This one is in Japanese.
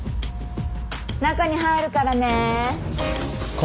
中に入るからね。